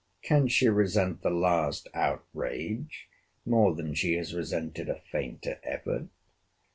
Can she resent the last outrage more than she has resented a fainter effort?